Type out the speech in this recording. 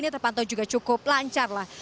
terpantau juga cukup lancar lah